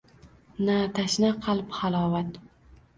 Na tashna qalb halovat.